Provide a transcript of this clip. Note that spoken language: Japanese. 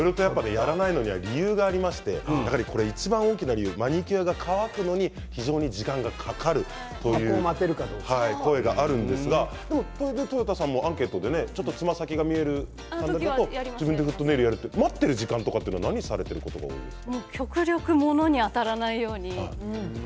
やらないのにはいろいろ理由がありまして、いちばん大きな理由はマニキュアが乾くのに時間がかかるという声があるんですが豊田さんもアンケートでつま先が見える時は自分でフットネイルをやると待ってる時間は何をすることが多いですか。